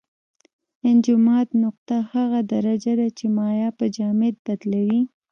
انجماد نقطه هغه درجه ده چې مایع په جامد بدلوي.